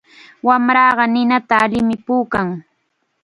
Wamraqa ninata allim puukan.